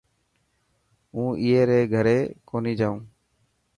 مون ائي ري گھري ڪوني جائون.